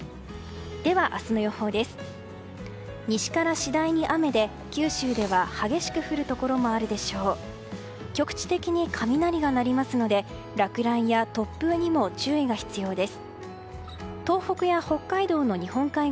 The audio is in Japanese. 明日の予報です。